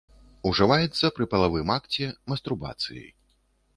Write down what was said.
Ужываецца пры палавым акце, мастурбацыі.